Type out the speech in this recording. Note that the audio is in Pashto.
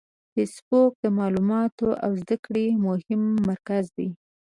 فېسبوک د معلوماتو او زده کړې مهم مرکز دی